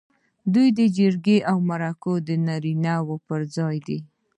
دوی د جرګو او مرکو د نارینه و پر ځای دي.